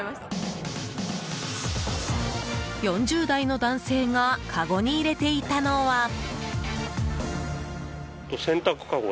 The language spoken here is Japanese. ４０代の男性がかごに入れていたのは。